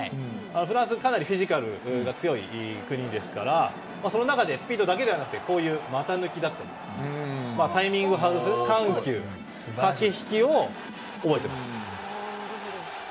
フランスは、かなりフィジカルが強い国なのでその中でスピードだけではなくて股抜きだったりタイミングを外す緩急駆け引きを覚えています。